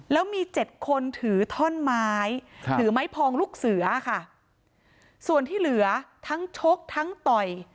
แล้วมีเจ็ดคนถือท่อนไม้ถือไม้พองลูกเสือค่ะส่วนที่เหลือทั้งชกทั้งต่อย